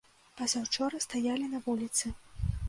Пазаўчора стаялі на вуліцы.